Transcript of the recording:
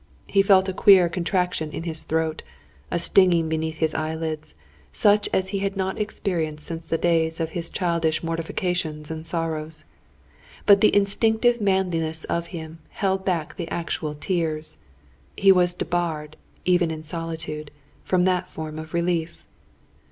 He felt a queer contraction in his throat, a stinging beneath his eyelids, such as he had not experienced since the days of childish mortifications and sorrows. But the instinctive manliness of him, held back the actual tears. He was debarred, even in solitude, from that form of relief.